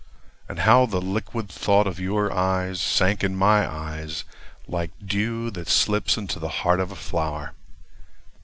And how the liquid thought of your eyes Sank in my eyes like dew that slips Into the heart of a flower.